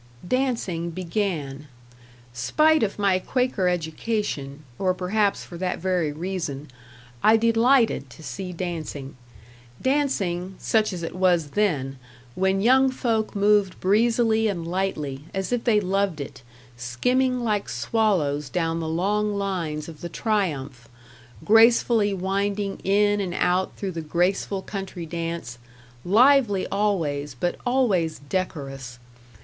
Dancing began. Spite of my Quaker education, or perhaps for that very reason, I delighted to see dancing. Dancing, such as it was then, when young folk moved breezily and lightly, as if they loved it; skimming like swallows down the long lines of the Triumph gracefully winding in and out through the graceful country dance lively always, but always decorous.